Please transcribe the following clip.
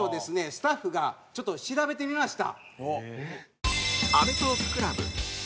スタッフがちょっと調べてみました。